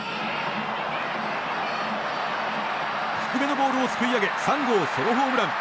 低めのボールをすくい上げ３号ソロホームラン。